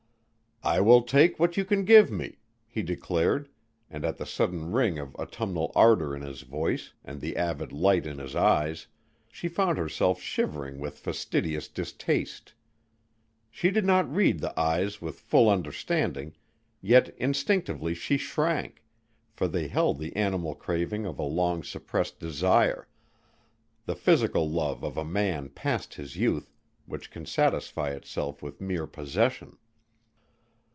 "I will take what you can give me," he declared, and at the sudden ring of autumnal ardor in his voice and the avid light in his eyes, she found herself shivering with fastidious distaste. She did not read the eyes with full understanding, yet instinctively she shrank, for they held the animal craving of a long suppressed desire the physical love of a man past his youth which can satisfy itself with mere possession.